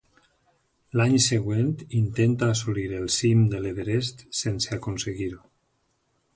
L'any següent intenta assolir el cim de l'Everest sense aconseguir-ho.